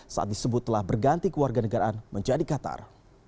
saat disebut telah berganti kewarganegaraan menjadi qatar